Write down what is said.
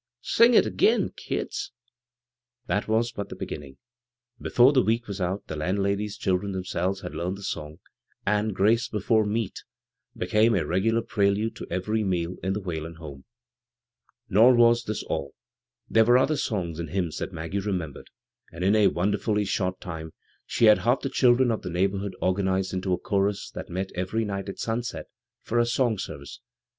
" Sing it agin, kids 1 " That was but the beginning. Before the week was out the landlady's children them selves had learned the song, and " Grace be fore Meat" became a regular prelude to every meal in the Whalen home. Nor was 169 b, Google CROSS CURRENTS this aU. There were other songs and hymns that Maggie remembered, and in a wonder hilly ^ort time she had half the children of the neighborhood organized into a chorus that met every night at sunset for a " song service."